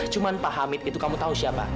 cuma pak hamid itu kamu tahu siapa